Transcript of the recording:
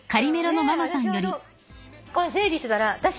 私は整理してたら。